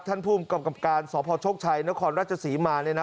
ท่านภูมิกับการสพโชคชัยนครราชศรีมาเนี่ยนะ